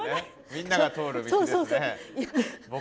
みんなが通る道ですね。